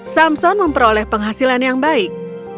samson memperoleh penghasilan yang baik